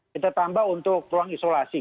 kita tambah untuk ruang isolasi